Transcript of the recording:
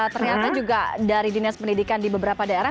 ternyata juga dari dinas pendidikan di beberapa daerah